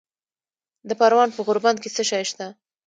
د پروان په غوربند کې څه شی شته؟